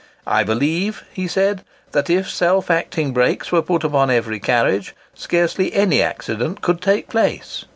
"I believe," he said, "that if self acting brakes were put upon every carriage, scarcely any accident could take place."